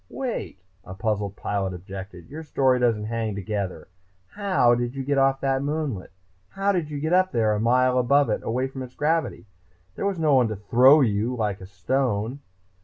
"Wait," a puzzled pilot objected. "Your story doesn't hang together. How did you get off that moonlet? How did you get up there, a mile above it, away from its gravity? There was nobody to throw you, like a stone."